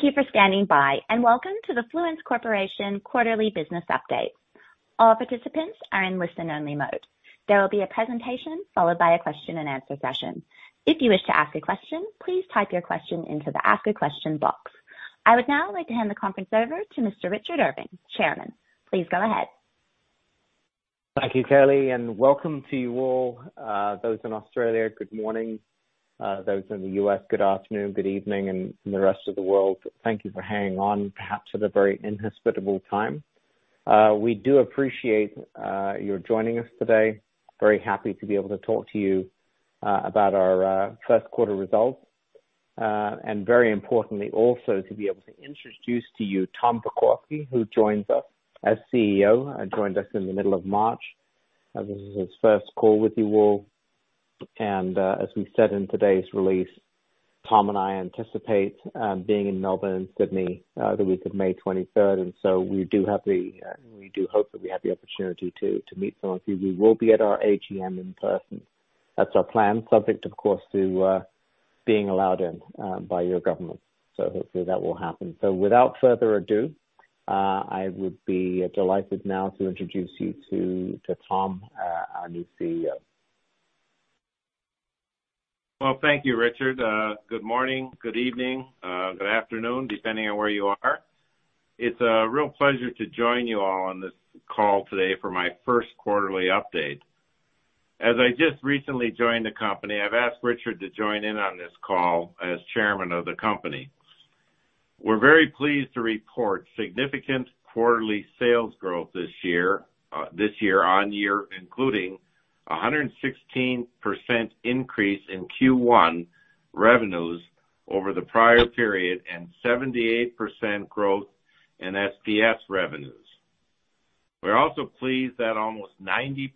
Thank you for standing by, and welcome to the Fluence Corporation Quarterly Business Update. All participants are in listen-only mode. There will be a presentation followed by a question and answer session. If you wish to ask a question, please type your question into the Ask a Question box. I would now like to hand the conference over to Mr. Richard Irving, Chairman. Please go ahead. Thank you, Kelly, and welcome to you all. Those in Australia, good morning. Those in the U.S., good afternoon, good evening. The rest of the world, thank you for hanging on, perhaps at a very inhospitable time. We do appreciate your joining us today. Very happy to be able to talk to you about our first quarter results. Very importantly, also to be able to introduce to you Tom Pokorsky, who joins us as CEO, joined us in the middle of March. This is his first call with you all. As we said in today's release, Tom and I anticipate being in Melbourne and Sydney the week of May 23rd. We do have the opportunity to meet some of you. We will be at our AGM in person. That's our plan, subject, of course, to being allowed in by your government. Hopefully that will happen. Without further ado, I would be delighted now to introduce you to Tom, our new CEO. Well, thank you, Richard. Good morning, good evening, good afternoon, depending on where you are. It's a real pleasure to join you all on this call today for my first quarterly update. As I just recently joined the company, I've asked Richard to join in on this call as Chairman of the company. We're very pleased to report significant quarterly sales growth this year-on-year, including a 116% increase in Q1 revenues over the prior period and 78% growth in SPS revenues. We're also pleased that almost 90%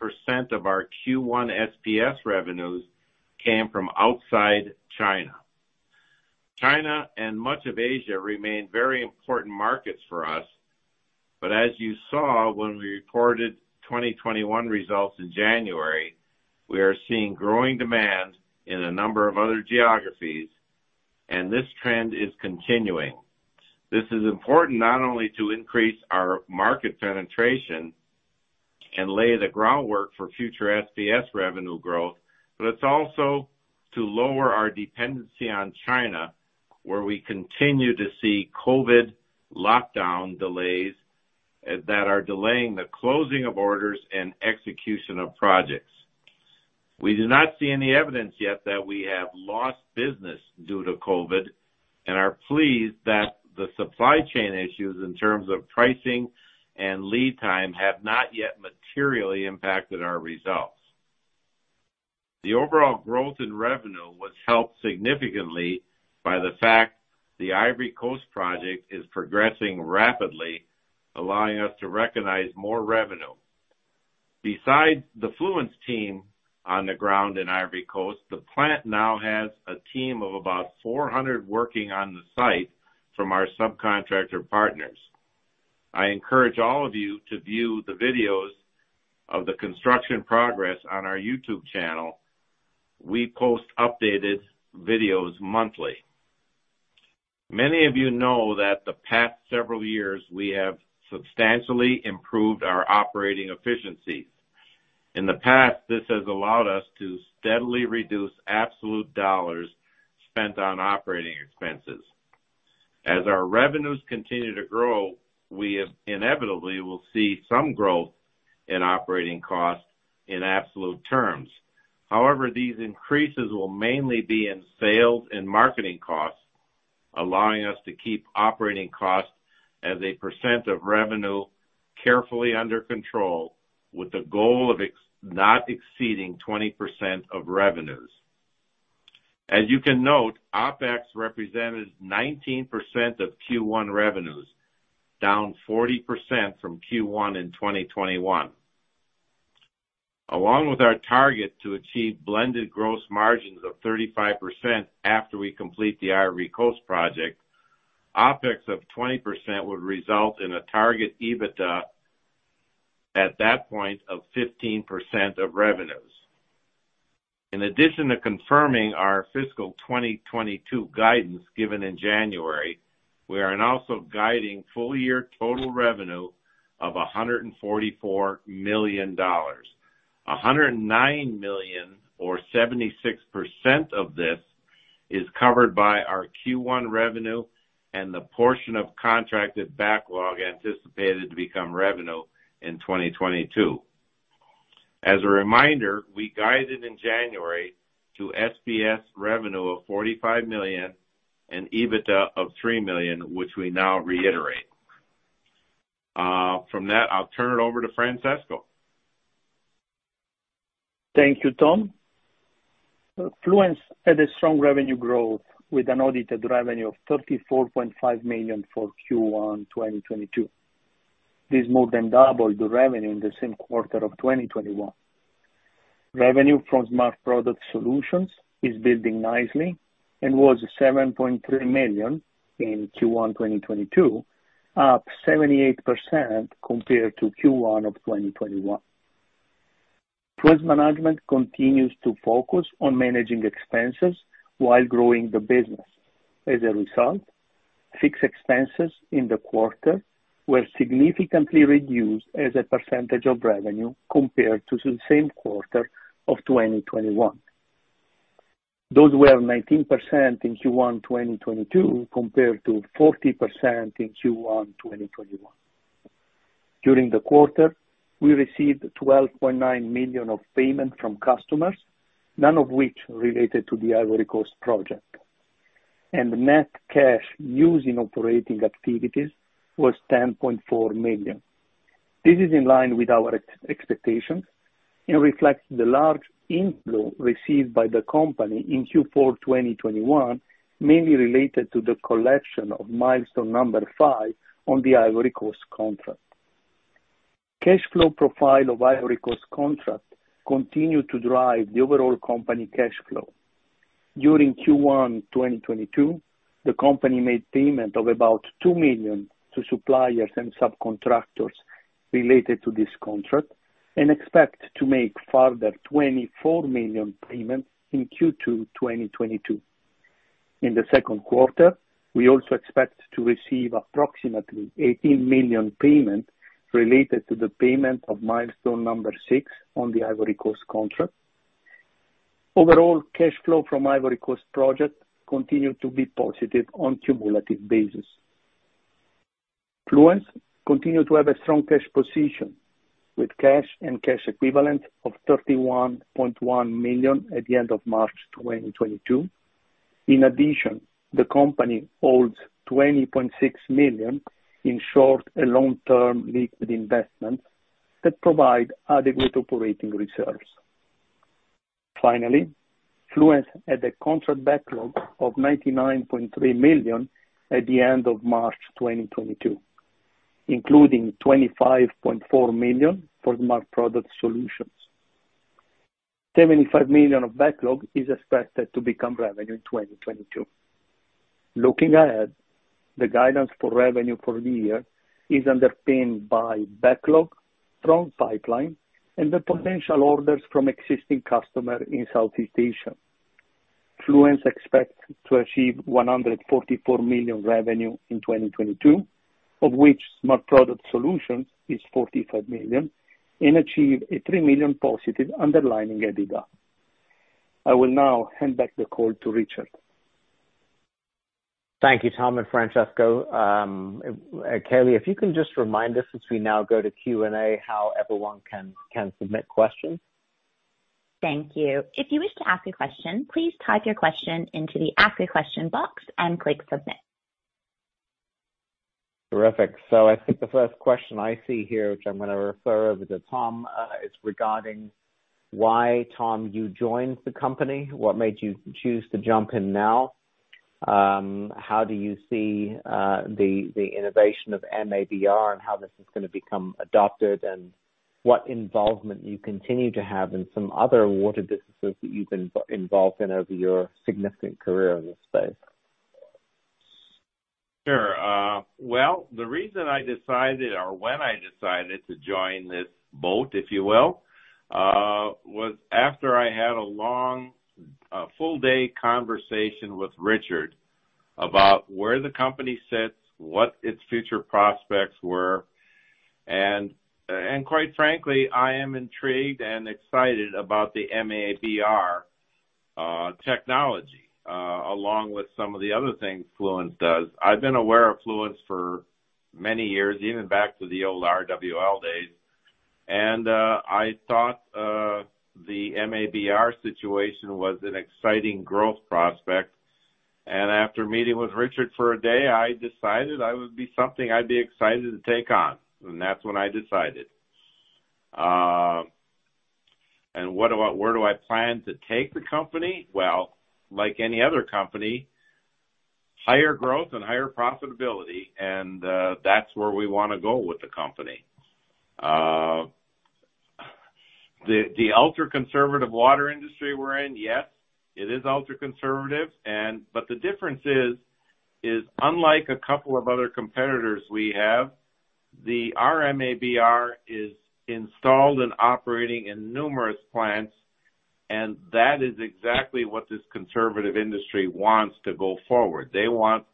of our Q1 SPS revenues came from outside China. China and much of Asia remain very important markets for us, but as you saw when we reported 2021 results in January, we are seeing growing demand in a number of other geographies, and this trend is continuing. This is important not only to increase our market penetration and lay the groundwork for future SPS revenue growth, but it's also to lower our dependency on China, where we continue to see COVID lockdown delays that are delaying the closing of orders and execution of projects. We do not see any evidence yet that we have lost business due to COVID and are pleased that the supply chain issues in terms of pricing and lead time have not yet materially impacted our results. The overall growth in revenue was helped significantly by the fact the Ivory Coast project is progressing rapidly, allowing us to recognize more revenue. Besides the Fluence team on the ground in Ivory Coast, the plant now has a team of about 400 working on the site from our subcontractor partners. I encourage all of you to view the videos of the construction progress on our YouTube channel. We post updated videos monthly. Many of you know that the past several years, we have substantially improved our operating efficiencies. In the past, this has allowed us to steadily reduce absolute dollars spent on operating expenses. As our revenues continue to grow, we inevitably will see some growth in operating costs in absolute terms. However, these increases will mainly be in sales and marketing costs, allowing us to keep operating costs as a percent of revenue carefully under control, with the goal of not exceeding 20% of revenues. As you can note, OpEx represented 19% of Q1 revenues, down 40% from Q1 in 2021. Along with our target to achieve blended gross margins of 35% after we complete the Ivory Coast project, OpEx of 20% would result in a target EBITDA at that point of 15% of revenues. In addition to confirming our fiscal 2022 guidance given in January, we are then also guiding full year total revenue of $144 million. $109 million or 76% of this is covered by our Q1 revenue and the portion of contracted backlog anticipated to become revenue in 2022. As a reminder, we guided in January to SPS revenue of $45 million and EBITDA of $3 million, which we now reiterate. From that, I'll turn it over to Francesco. Thank you, Tom. Fluence had a strong revenue growth with an audited revenue of $34.5 million for Q1 2022. This more than doubled the revenue in the same quarter of 2021. Revenue from Smart Product Solutions is building nicely and was $7.3 million in Q1 2022, up 78% compared to Q1 of 2021. Fluence management continues to focus on managing expenses while growing the business. As a result, fixed expenses in the quarter were significantly reduced as a percentage of revenue compared to the same quarter of 2021. Those were 19% in Q1 2022 compared to 40% in Q1 2021. During the quarter, we received $12.9 million of payment from customers, none of which related to the Ivory Coast project. Net cash used in operating activities was $10.4 million. This is in line with our expectation and reflects the large inflow received by the company in Q4 2021, mainly related to the collection of milestone number 5 on the Ivory Coast contract. Cash flow profile of Ivory Coast contract continued to drive the overall company cash flow. During Q1 2022, the company made payment of about $2 million to suppliers and subcontractors related to this contract and expect to make further $24 million payments in Q2 2022. In the second quarter, we also expect to receive approximately $18 million payment related to the payment of milestone number six on the Ivory Coast contract. Overall, cash flow from Ivory Coast project continued to be positive on cumulative basis. Fluence continue to have a strong cash position with cash and cash equivalent of $31.1 million at the end of March 2022. In addition, the company holds $20.6 million in short and long-term liquid investments that provide adequate operating reserves. Finally, Fluence had a contract backlog of $99.3 million at the end of March 2022, including $25.4 million for Smart Product Solutions. $75 million of backlog is expected to become revenue in 2022. Looking ahead, the guidance for revenue for the year is underpinned by backlog, strong pipeline, and the potential orders from existing customer in Southeast Asia. Fluence expect to achieve $144 million revenue in 2022, of which Smart Product Solutions is $45 million, and achieve a $3 million positive underlying EBITDA. I will now hand back the call to Richard. Thank you, Tom and Francesco. Kelly, if you can just remind us as we now go to Q&A, how everyone can submit questions? Thank you. If you wish to ask a question, please type your question into the Ask a Question box and click Submit. Terrific. I think the first question I see here, which I'm gonna refer over to Tom, is regarding why, Tom, you joined the company. What made you choose to jump in now? How do you see the innovation of MABR and how this is gonna become adopted, and what involvement you continue to have in some other water businesses that you've been involved in over your significant career in this space? Sure. Well, the reason I decided or when I decided to join this boat, if you will, was after I had a long, full day conversation with Richard about where the company sits, what its future prospects were. Quite frankly, I am intrigued and excited about the MABR technology, along with some of the other things Fluence does. I've been aware of Fluence for many years, even back to the old RWL days. I thought the MABR situation was an exciting growth prospect. After meeting with Richard for a day, I decided that would be something I'd be excited to take on, and that's when I decided. Where do I plan to take the company? Well, like any other company, higher growth and higher profitability, and that's where we wanna go with the company. The ultra-conservative water industry we're in, yes, it is ultra-conservative, but the difference is unlike a couple of other competitors we have, the MABR is installed and operating in numerous plants, and that is exactly what this conservative industry wants to go forward. They want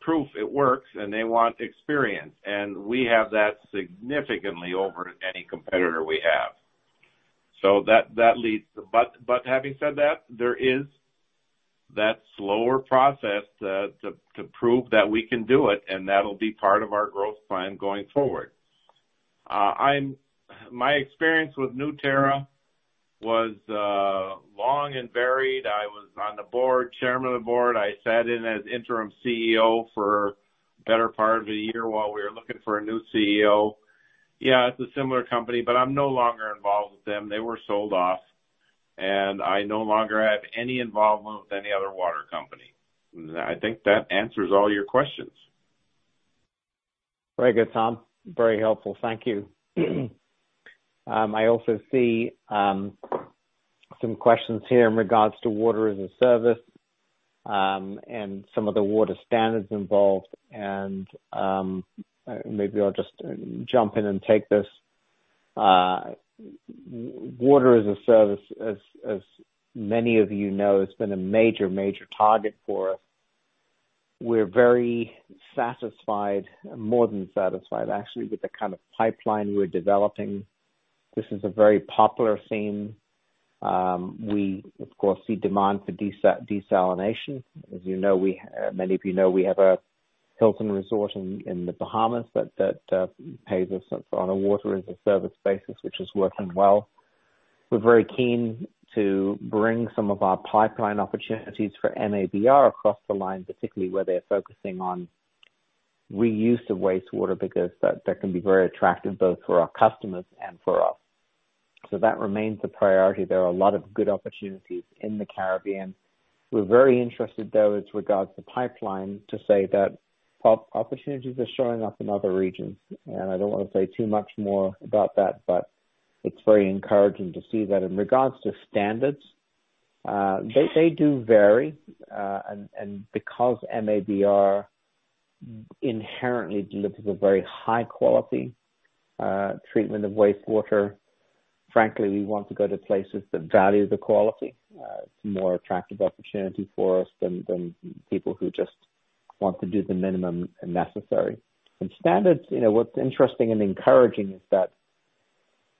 proof it works, and they want experience. We have that significantly over any competitor we have. Having said that, there is that slower process to prove that we can do it, and that'll be part of our growth plan going forward. My experience with Newterra was long and varied. I was on the board, chairman of the board. I sat in as interim CEO for better part of the year while we were looking for a new CEO. Yeah, it's a similar company, but I'm no longer involved with them. They were sold off, and I no longer have any involvement with any other water company. I think that answers all your questions. Very good, Tom. Very helpful. Thank you. I also see some questions here in regards to water as a service, and some of the water standards involved. Maybe I'll just jump in and take this. Water as a service, as many of you know, has been a major target for us. We're very satisfied, more than satisfied, actually, with the kind of pipeline we're developing. This is a very popular theme. We, of course, see demand for desalination. As you know, many of you know, we have a Hilton Resort in the Bahamas that pays us on a water-as-a-service basis, which is working well. We're very keen to bring some of our pipeline opportunities for MABR across the line, particularly where they're focusing on reuse of wastewater, because that can be very attractive both for our customers and for us. So that remains a priority. There are a lot of good opportunities in the Caribbean. We're very interested, though, as regards to pipeline, to say that opportunities are showing up in other regions. I don't wanna say too much more about that, but it's very encouraging to see that. In regards to standards, they do vary. Because MABR inherently delivers a very high quality treatment of wastewater, frankly, we want to go to places that value the quality. It's a more attractive opportunity for us than people who just want to do the minimum necessary. Standards, you know, what's interesting and encouraging is that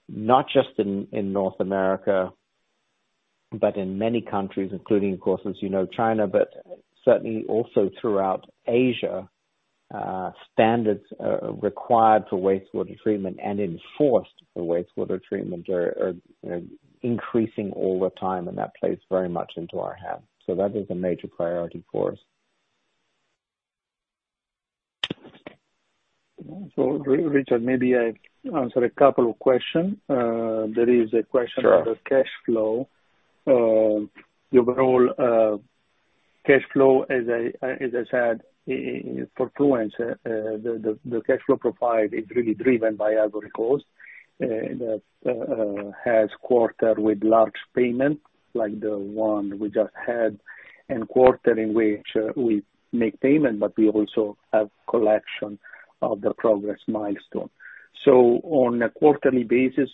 not just in North America, but in many countries, including, of course, as you know, China, but certainly also throughout Asia, standards required for wastewater treatment and enforced for wastewater treatment are, you know, increasing all the time, and that plays very much into our hand. So that is a major priority for us. Richard, maybe I answer a couple of questions. There is a question. Sure. About cash flow. The overall cash flow, as I said in for Fluence, the cash flow profile is really driven by Ivory Coast. It has quarters with large payment, like the one we just had, and quarters in which we make payment, but we also have collection of the progress milestone. On a quarterly basis,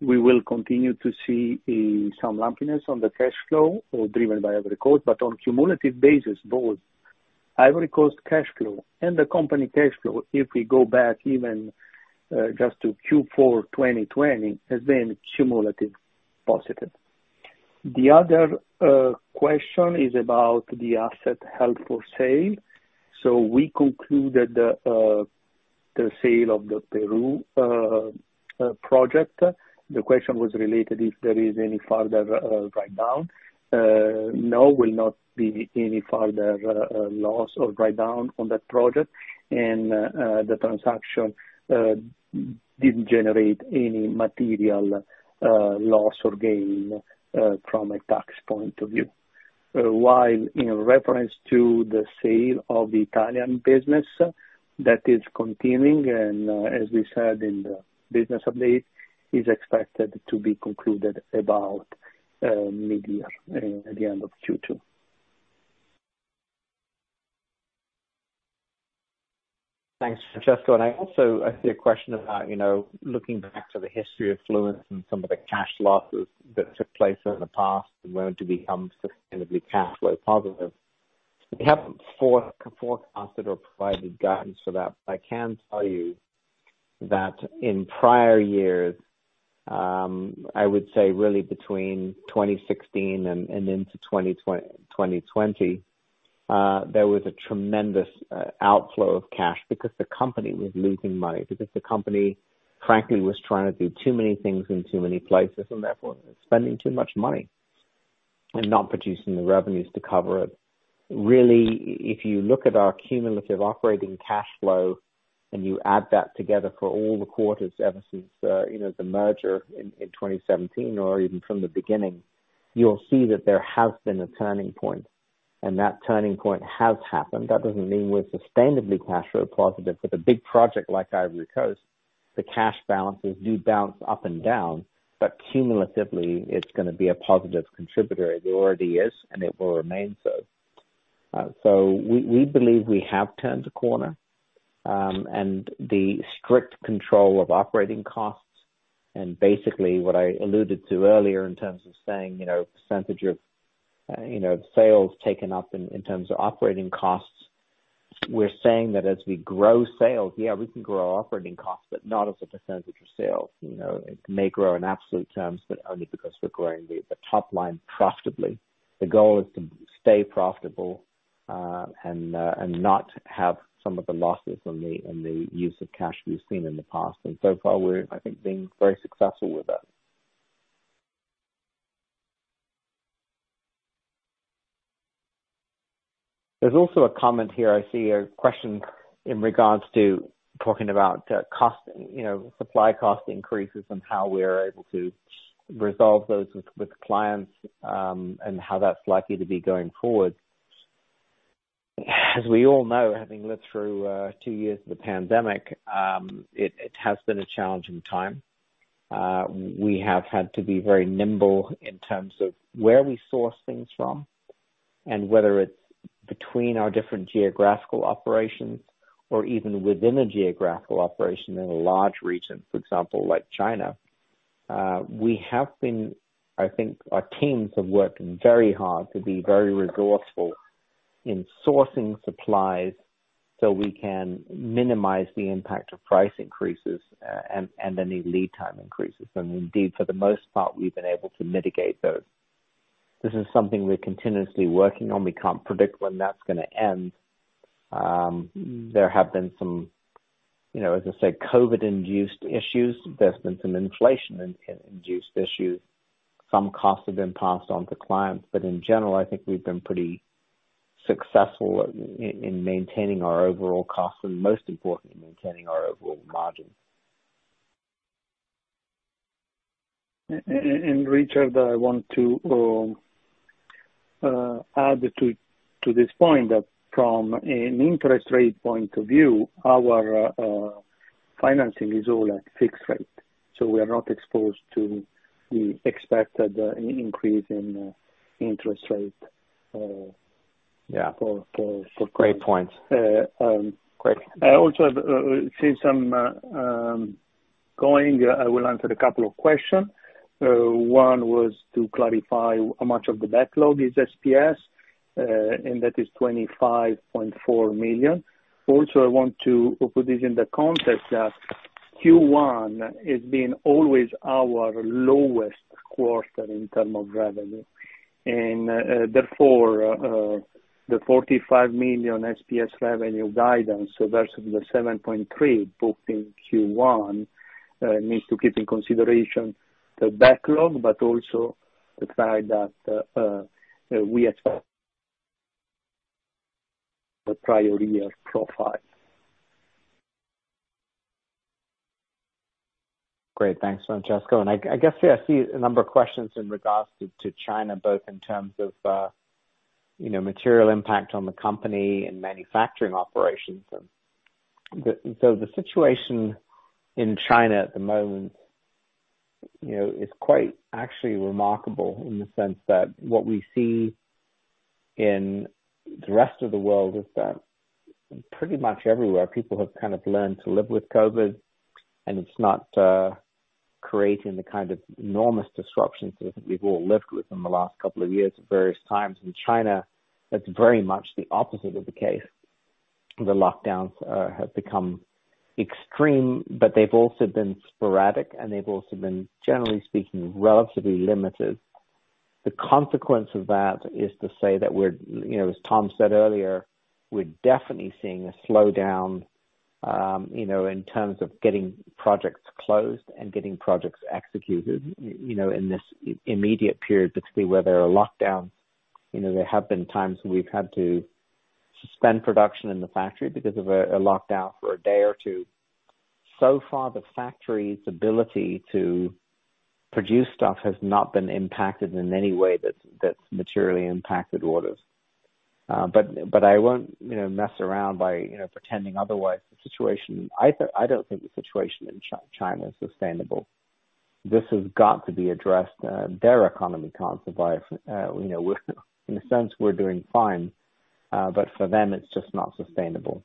we will continue to see some lumpiness on the cash flow all driven by Ivory Coast. On cumulative basis, both Ivory Coast cash flow and the company cash flow, if we go back even just to Q4 2020, has been cumulative positive. The other question is about the asset held for sale. We concluded the sale of the Peru project. The question was related if there is any further write-down. No, will not be any further loss or write-down on that project. The transaction didn't generate any material loss or gain from a tax point of view. While in reference to the sale of the Italian business, that is continuing and as we said in the business update, is expected to be concluded about mid-year and at the end of Q2. Thanks, Francesco. I also see a question about, you know, looking back to the history of Fluence and some of the cash losses that took place in the past and when to become sustainably cash flow positive. We haven't forecasted or provided guidance for that, but I can tell you that in prior years, I would say really between 2016 and into 2020, there was a tremendous outflow of cash because the company was losing money, frankly, was trying to do too many things in too many places, and therefore spending too much money and not producing the revenues to cover it. Really, if you look at our cumulative operating cash flow and you add that together for all the quarters ever since, you know, the merger in 2017 or even from the beginning, you'll see that there has been a turning point, and that turning point has happened. That doesn't mean we're sustainably cash flow positive. With a big project like Ivory Coast, the cash balances do bounce up and down, but cumulatively, it's gonna be a positive contributor. It already is, and it will remain so. We believe we have turned a corner. The strict control of operating costs and basically what I alluded to earlier in terms of saying, you know, percentage of sales taken up in terms of operating costs. We're saying that as we grow sales, yeah, we can grow our operating costs, but not as a percentage of sales. You know, it may grow in absolute terms, but only because we're growing the top line profitably. The goal is to stay profitable, and not have some of the losses in the use of cash we've seen in the past. So far, we're, I think, being very successful with that. There's also a comment here. I see a question in regards to talking about cost, you know, supply cost increases and how we're able to resolve those with clients, and how that's likely to be going forward. As we all know, having lived through two years of the pandemic, it has been a challenging time. We have had to be very nimble in terms of where we source things from and whether it's between our different geographical operations or even within a geographical operation in a large region, for example, like China. I think our teams have worked very hard to be very resourceful in sourcing supplies so we can minimize the impact of price increases, and any lead time increases. Indeed, for the most part, we've been able to mitigate those. This is something we're continuously working on. We can't predict when that's gonna end. There have been some, you know, as I said, COVID-induced issues. There's been some inflation-induced issues. Some costs have been passed on to clients, but in general, I think we've been pretty successful in maintaining our overall costs and most importantly, maintaining our overall margin. Richard, I want to add to this point that from an interest rate point of view, our financing is all at fixed rate, so we are not exposed to the expected increase in interest rate. Yeah. For, for- Great point. Uh, um. Great. I will answer a couple of questions. One was to clarify how much of the backlog is SPS, and that is $25.4 million. Also, I want to put this in the context that Q1 has been always our lowest quarter in terms of revenue. Therefore, the $45 million SPS revenue guidance vs the $7.3 booked in Q1 needs to keep in consideration the backlog, but also the fact that we expect the prior year profile. Great, thanks, Francesco. I see a number of questions in regards to China, both in terms of, you know, material impact on the company and manufacturing operations. The situation in China at the moment, you know, is quite actually remarkable in the sense that what we see in the rest of the world is that pretty much everywhere people have kind of learned to live with COVID, and it's not creating the kind of enormous disruptions that we've all lived with in the last couple of years at various times. In China, that's very much the opposite of the case. The lockdowns have become extreme, but they've also been sporadic, and they've also been, generally speaking, relatively limited. The consequence of that is to say that we're, you know, as Tom said earlier, we're definitely seeing a slowdown, you know, in terms of getting projects closed and getting projects executed, you know, in this immediate period, particularly where there are lockdowns. You know, there have been times when we've had to suspend production in the factory because of a lockdown for a day or two. So far, the factory's ability to produce stuff has not been impacted in any way that's materially impacted orders. But I won't, you know, mess around by, you know, pretending otherwise the situation. I don't think the situation in China is sustainable. This has got to be addressed. Their economy can't survive. You know, we're in a sense, we're doing fine, but for them, it's just not sustainable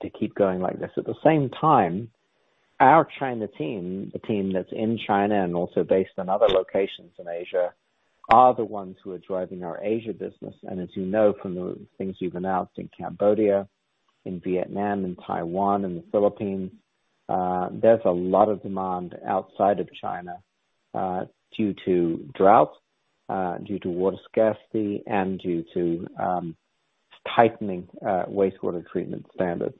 to keep going like this. At the same time, our China team, the team that's in China and also based on other locations in Asia, are the ones who are driving our Asia business. As you know from the things we've announced in Cambodia, in Vietnam, in Taiwan, in the Philippines, there's a lot of demand outside of China due to drought, due to water scarcity and due to tightening wastewater treatment standards.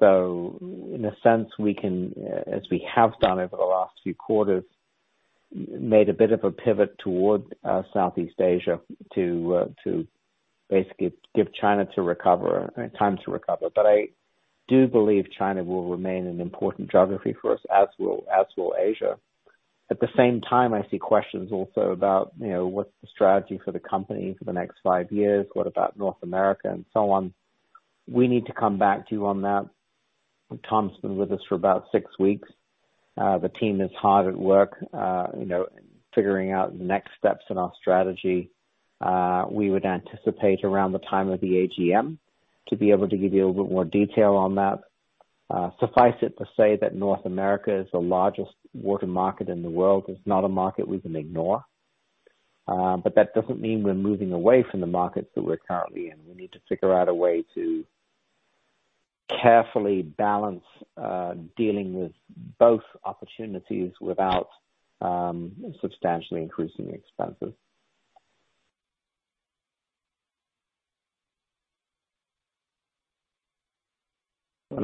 In a sense, we can, as we have done over the last few quarters, made a bit of a pivot toward Southeast Asia to basically give China time to recover. I do believe China will remain an important geography for us, as will Asia. At the same time, I see questions also about, you know, what's the strategy for the company for the next five years? What about North America and so on? We need to come back to you on that. Tom's been with us for about six weeks. The team is hard at work, you know, figuring out next steps in our strategy. We would anticipate around the time of the AGM to be able to give you a little bit more detail on that. Suffice it to say that North America is the largest water market in the world. It's not a market we can ignore, but that doesn't mean we're moving away from the markets that we're currently in. We need to figure out a way to carefully balance, dealing with both opportunities without substantially increasing the expenses.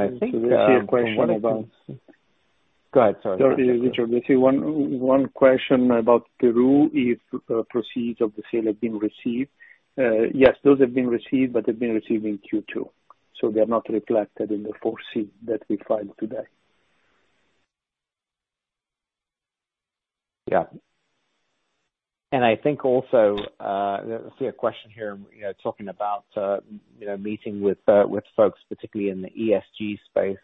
I think from one of our- There's a question about. Go ahead. Sorry. Sorry, Richard. There's one question about Peru. If proceeds of the sale have been received? Yes, those have been received, but they've been received in Q2, so they're not reflected in the 4C that we filed today. Yeah. I think also, I see a question here, you know, talking about, you know, meeting with folks, particularly in the ESG space.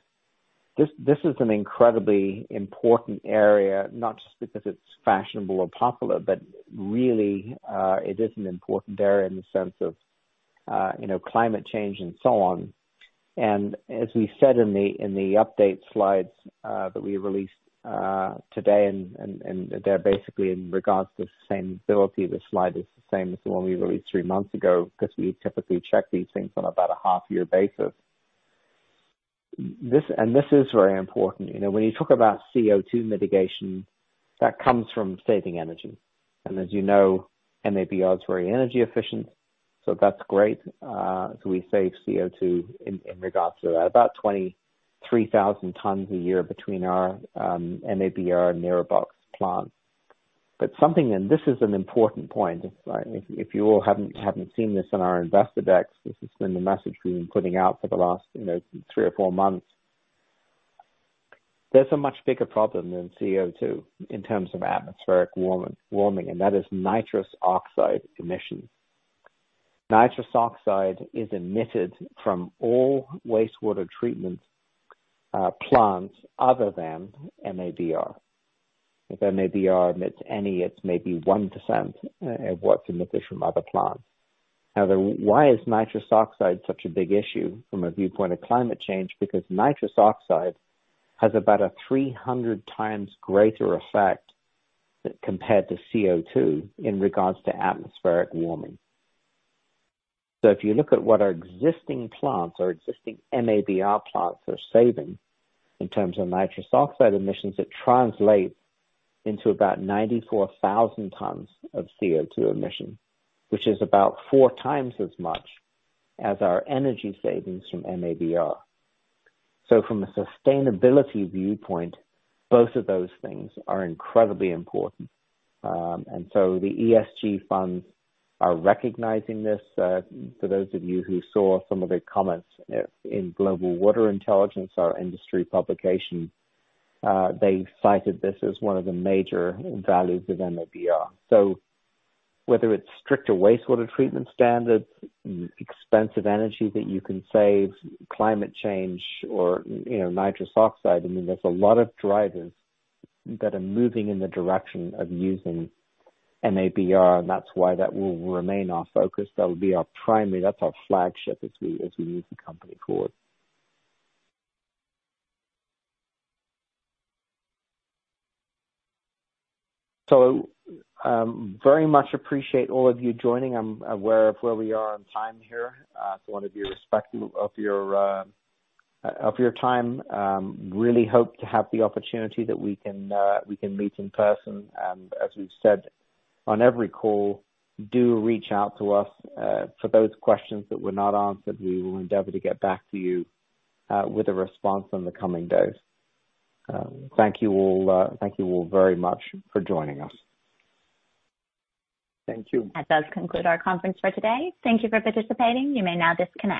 This is an incredibly important area, not just because it's fashionable or popular, but really, it is an important area in the sense of, you know, climate change and so on. As we said in the update slides that we released today and they're basically in regards to sustainability, the slide is the same as the one we released three months ago, 'cause we typically check these things on about a half year basis. This is very important. You know, when you talk about CO2 mitigation, that comes from saving energy. As you know, MABR is very energy efficient, so that's great. We save CO2 in regards to that. About 23,000 tons a year between our MABR and Aspiral plant. Something, and this is an important point, right? If you all haven't seen this in our investor decks, this has been the message we've been putting out for the last, you know, three or four months. There's a much bigger problem than CO2 in terms of atmospheric warming, and that is nitrous oxide emissions. Nitrous oxide is emitted from all wastewater treatment plants other than MABR. If MABR emits any, it's maybe 1% of what's emitted from other plants. Now, why is nitrous oxide such a big issue from a viewpoint of climate change? Because nitrous oxide has about 300x greater effect compared to CO2 in regards to atmospheric warming. If you look at what our existing plants or existing MABR plants are saving in terms of nitrous oxide emissions, it translates into about 94,000 tons of CO2 emission, which is about 4x as much as our energy savings from MABR. From a sustainability viewpoint, both of those things are incredibly important. The ESG funds are recognizing this. For those of you who saw some of the comments in Global Water Intelligence, our industry publication, they cited this as one of the major values of MABR. Whether it's stricter wastewater treatment standards, expensive energy that you can save, climate change or, you know, nitrous oxide, I mean, there's a lot of drivers that are moving in the direction of using MABR, and that's why that will remain our focus. That's our flagship as we move the company forward. Very much appreciate all of you joining. I'm aware of where we are on time here. Wanna be respectful of your time. Really hope to have the opportunity that we can meet in person. As we've said on every call, do reach out to us. For those questions that were not answered, we will endeavor to get back to you with a response in the coming days. Thank you all. Thank you all very much for joining us. Thank you. That does conclude our conference for today. Thank you for participating. You may now disconnect.